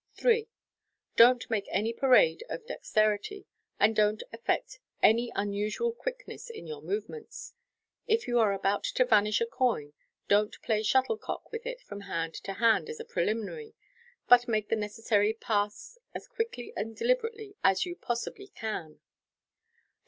3. Dont make any parade of dexterity, and don't affect any un~ usual quickness in your movements. If you are about to vanish a coin, don't play shuttlecock with it from hand to hand as a pre liminary } but make the necessary " pass " as quietly and deliberately as you possibly can.